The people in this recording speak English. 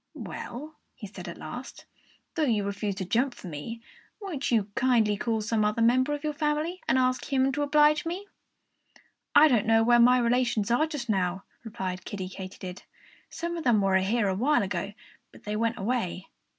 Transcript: "Well," he said at last, "though you refuse to jump for me, won't you kindly call some other member of your family and ask him to oblige me?" "I don't know where my relations are just now," replied Kiddie Katydid. "Some of them were here a while ago; but they went away."